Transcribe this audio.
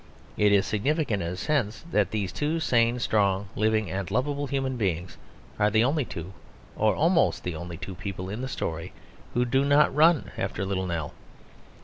It is significant in a sense that these two sane, strong, living, and lovable human beings are the only two, or almost the only two, people in the story who do not run after Little Nell.